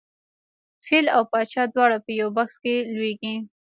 فیل او پاچا دواړه په یوه بکس کې لویږي.